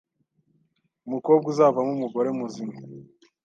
Umukobwa uzavamo umugore muzima